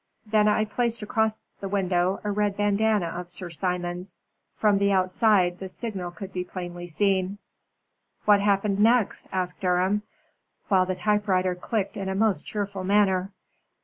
Then I placed across the window a red bandana of Sir Simon's. From the outside the signal could be plainly seen." "What happened next?" asked Durham, while the typewriter clicked in a most cheerful manner.